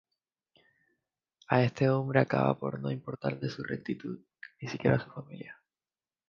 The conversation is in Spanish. A este hombre acaba por no importarle su rectitud, ni siquiera su familia.